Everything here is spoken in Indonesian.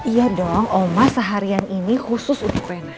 iya dong omang seharian ini khusus untuk rena